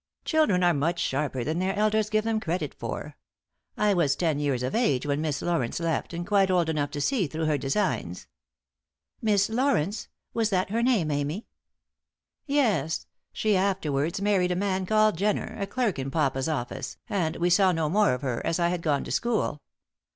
"Children are much sharper than their elders give them credit for. I was ten years of age when Miss Laurence left and quite old enough to see through her designs." "Miss Laurence? Was that her name, Amy?" "Yes. She afterwards married a man called Jenner, a clerk in papa's office, and we saw no more of her as I had gone to school.